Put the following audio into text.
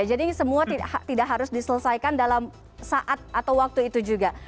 jadi semua tidak harus diselesaikan dalam saat atau waktu itu juga